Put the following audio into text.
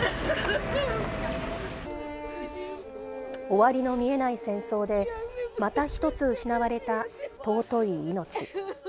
終わりの見えない戦争で、また一つ失われた尊い命。